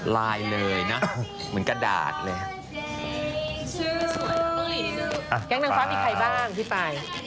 รายเลยนะเหมือนกระดาษเลย